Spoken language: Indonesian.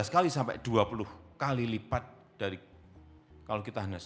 empat belas kali sampai dua puluh kali lipat dari kalau kita store material